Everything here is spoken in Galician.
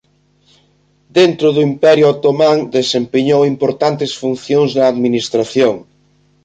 Dentro do Imperio Otomán desempeñou importantes funcións na administración.